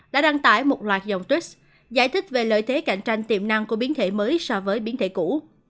đã đăng tải một loạt dòng tikts giải thích về lợi thế cạnh tranh tiềm năng của biến thể mới so với biến thể cũ